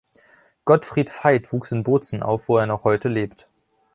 Gottfried Veit wuchs in Bozen auf, wo er noch heute lebt.